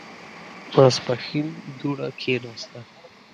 ماسپښين دوړه کېناسته.